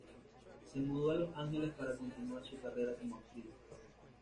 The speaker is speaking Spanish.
Se mudó a Los Ángeles para continuar su carrera como actriz.